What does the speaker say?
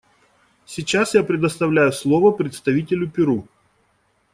Сейчас я предоставляю слово представителю Перу.